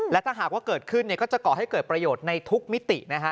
และถ้าหากว่าเกิดขึ้นเนี่ยก็จะก่อให้เกิดประโยชน์ในทุกมิตินะฮะ